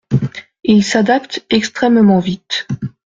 Ils s’adaptent extrêmement vite.